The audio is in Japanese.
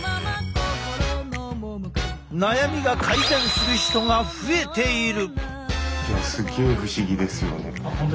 悩みが改善する人が増えている！